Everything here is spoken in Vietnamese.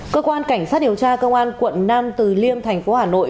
cơ quan cảnh sát điều tra công an quận nam từ liêm thành phố hà nội